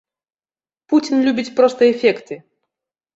Пуцін любіць проста эфекты.